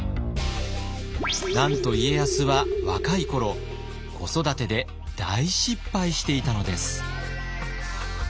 なんと家康は若い頃子育てで大失敗していたのです。